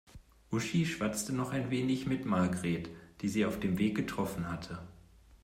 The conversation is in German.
Uschi schwatzte noch ein wenig mit Margret, die sie auf dem Weg getroffen hatte.